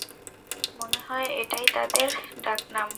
মনেহয় এটাই তাদের ডাকনাম।